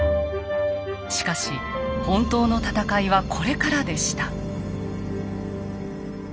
しかし本当の戦いはこれからでした。